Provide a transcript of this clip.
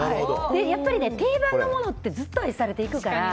やっぱり定番のものってずっと愛されていくから。